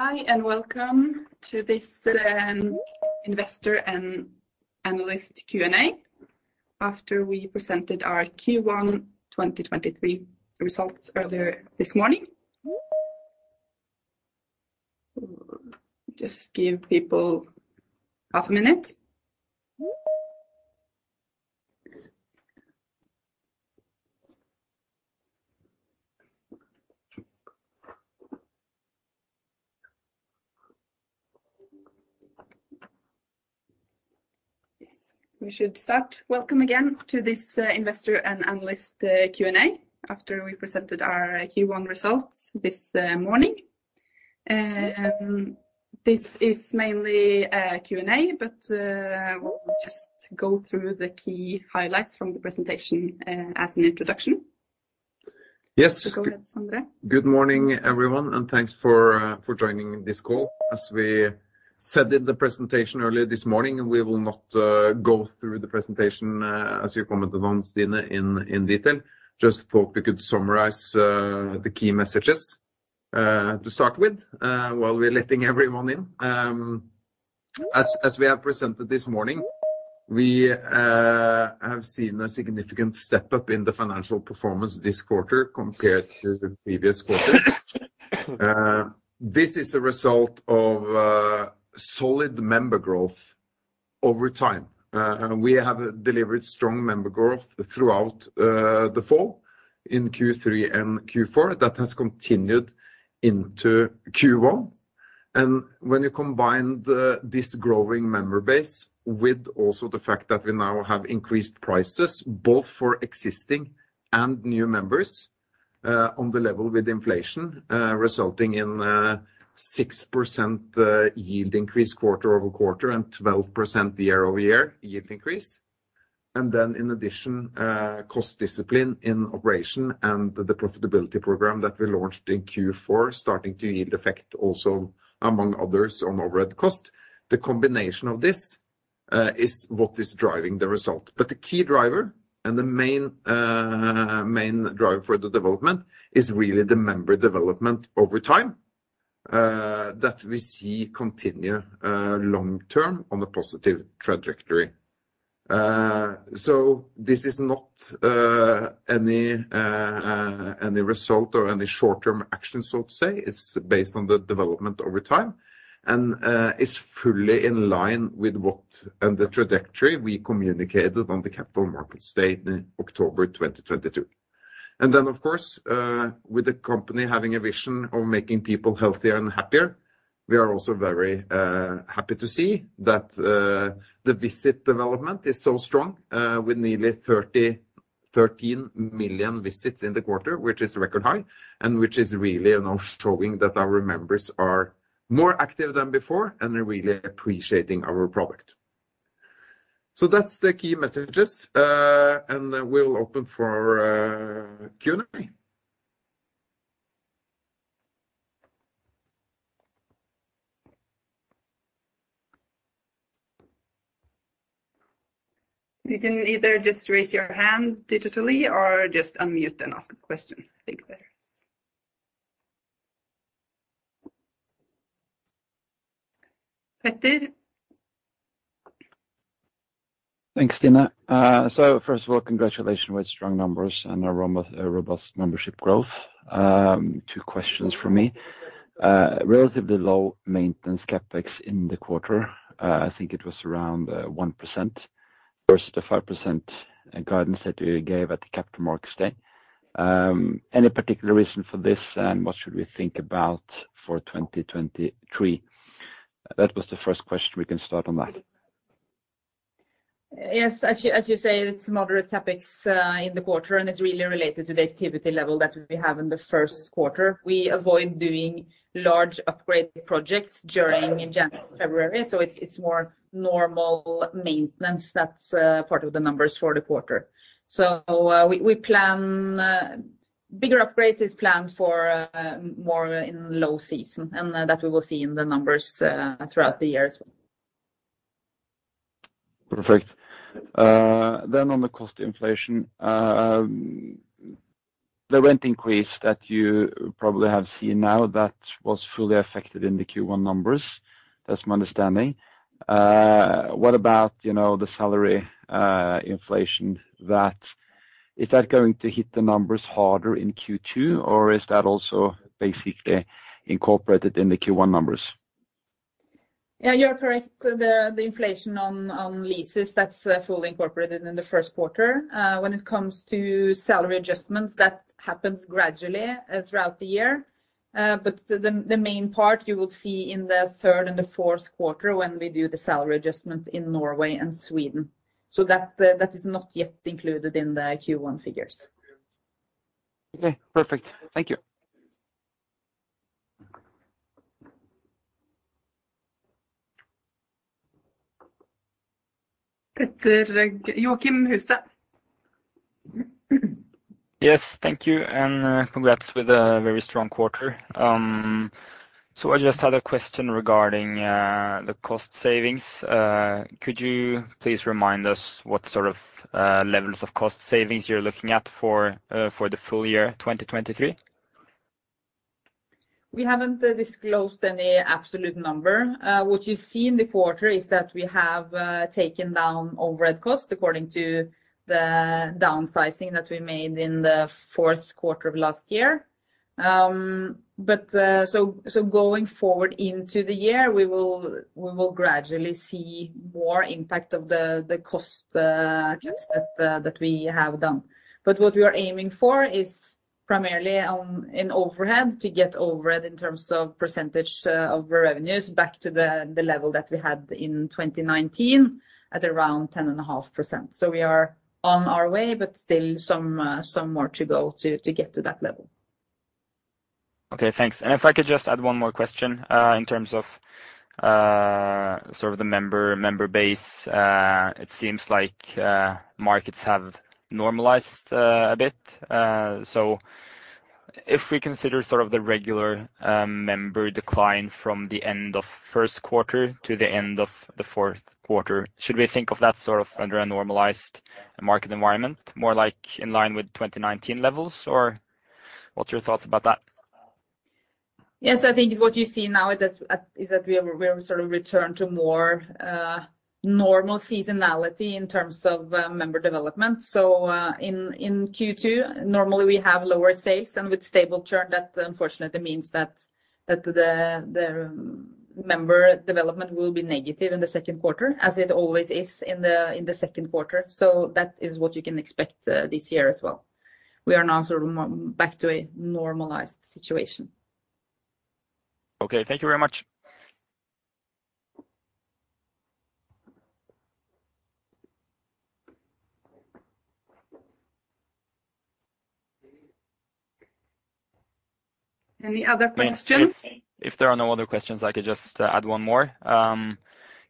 Hi, welcome to this Investor and Analyst Q&A after we presented our Q1 2023 results earlier this morning. Just give people half a minute. Yes, we should start. Welcome again to this Investor and Analyst Q&A after we presented our Q1 results this morning. This is mainly a Q&A, but we'll just go through the key highlights from the presentation as an introduction. Yes. Go ahead, Sondre. Good morning, everyone, and thanks for joining this call. As we said in the presentation earlier this morning, we will not go through the presentation as you commented on Stine in detail. Just thought we could summarize the key messages. To start with, while we're letting everyone in. As we have presented this morning, we have seen a significant step-up in the financial performance this quarter compared to the previous quarter. This is a result of solid member growth over time. We have delivered strong member growth throughout the fall in Q3 and Q4. That has continued into Q1. When you combine this growing member base with also the fact that we now have increased prices both for existing and new members, on the level with inflation, resulting in 6% yield increase quarter-over-quarter and 12% year-over-year yield increase. In addition, cost discipline in operation and the profitability program that we launched in Q4 starting to yield effect also, among others, on overhead cost. The combination of this is what is driving the result. The key driver and the main driver for the development is really the member development over time, that we see continue long-term on a positive trajectory. This is not any result or any short-term action, so to say. It's based on the development over time. It's fully in line with what and the trajectory we communicated on the Capital Markets Day in October 2022. Of course, with the company having a vision of making people healthier and happier, we are also very happy to see that the visit development is so strong, with nearly 13 million visits in the quarter, which is record high, and which is really now showing that our members are more active than before and are really appreciating our product. That's the key messages. We'll open for Q&A. You can either just raise your hand digitally or just unmute and ask a question. I think that is-- Petter? Thanks, Stine. First of all, congratulations with strong numbers and a robust membership growth. Two questions from me. Relatively low maintenance CapEx in the quarter. I think it was around 1% versus the 5% guidance that you gave at the Capital Markets Day. Any particular reason for this, and what should we think about for 2023? That was the first question. We can start on that. Yes. As you say, it's moderate CapEx in the quarter, and it's really related to the activity level that we have in the first quarter. We avoid doing large upgrade projects during in January and February, so it's more normal maintenance that's part of the numbers for the quarter. Bigger upgrades is planned for more in low season, and that we will see in the numbers throughout the year as well. Perfect. On the cost inflation. The rent increase that you probably have seen now, that was fully affected in the Q1 numbers. That's my understanding. What about, you know, the salary inflation? Is that going to hit the numbers harder in Q2, or is that also basically incorporated in the Q1 numbers? Yeah, you are correct. The inflation on leases, that's fully incorporated in the first quarter. When it comes to salary adjustments, that happens gradually throughout the year. But the main part you will see in the third and the fourth quarter when we do the salary adjustment in Norway and Sweden. That is not yet included in the Q1 figures. Okay, perfect. Thank you. Joakim Huse. Yes. Thank you, congrats with a very strong quarter. I just had a question regarding the cost savings. Could you please remind us what sort of levels of cost savings you're looking at for the full year 2023? We haven't disclosed any absolute number. What you see in the quarter is that we have taken down overhead costs according to the downsizing that we made in the fourth quarter of last year. Going forward into the year, we will gradually see more impact of the cost cuts that we have done. What we are aiming for is primarily on, in overhead to get overhead in terms of percentage of revenues back to the level that we had in 2019 at around 10.5%. We are on our way, but still some more to go to get to that level. Okay, thanks. If I could just add one more question. In terms of, sort of the member base, it seems like, markets have normalized, a bit. If we consider sort of the regular, member decline from the end of first quarter to the end of the fourth quarter, should we think of that sort of under a normalized market environment, more like in line with 2019 levels? What's your thoughts about that? Yes. I think what you see now is that we have sort of returned to more normal seasonality in terms of member development. In Q2, normally we have lower sales, and with stable churn that unfortunately means that the member development will be negative in the second quarter as it always is in the second quarter. That is what you can expect this year as well. We are now sort of back to a normalized situation. Okay. Thank you very much. Any other questions? If there are no other questions, I could just add one more.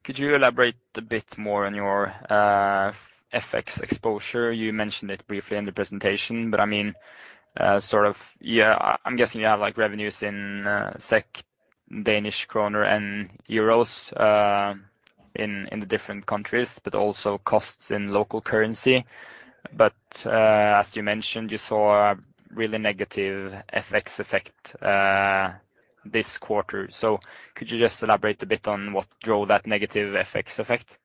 Could you elaborate a bit more on your FX exposure? You mentioned it briefly in the presentation, I'm guessing you have like revenues in SEK, Danish kroner, and euros in the different countries, but also costs in local currency. As you mentioned, you saw a really negative FX effect this quarter. Could you just elaborate a bit on what drove that negative FX effect?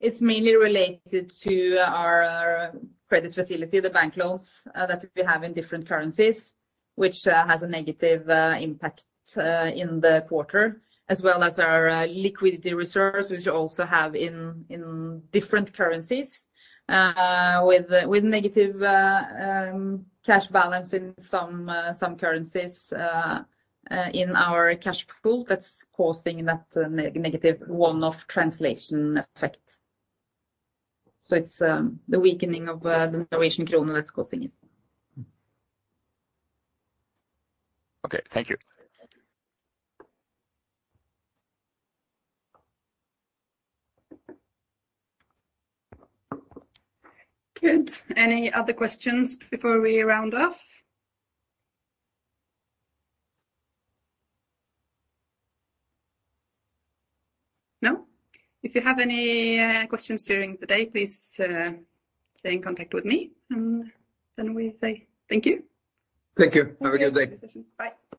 It's mainly related to our credit facility, the bank loans, that we have in different currencies, which has a negative impact in the quarter, as well as our liquidity reserves, which we also have in different currencies, with negative cash balance in some currencies, in our cash pool that's causing that negative one-off translation effect. It's the weakening of the Norwegian kroner that's causing it. Okay. Thank you. Good. Any other questions before we round off? No? If you have any questions during the day, please stay in contact with me, and then we say thank you. Thank you. Have a good day. Bye.